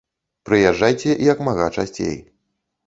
Прыязджайце як мага часцей.